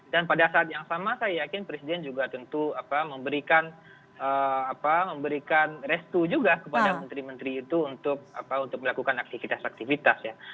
dan pada saat yang sama saya yakin presiden juga tentu memberikan restu juga kepada menteri menteri itu untuk melakukan aktivitas aktivitas ya